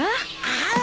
ああ。